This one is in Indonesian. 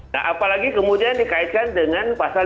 nah apalagi kemudian dikaitkan dengan pasal lima puluh enam